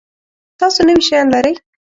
تاسو نوي شیان لرئ؟